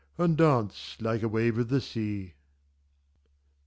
'And dance like a wave of the sea.